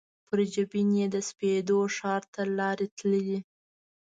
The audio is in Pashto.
پر جبین یې د سپېدو ښار ته لار تللي